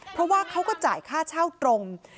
เพราะว่าเขาก็จ่ายค่าเช่าตรง